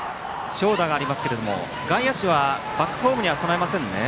長打がありますが外野手はバックホームには備えませんね。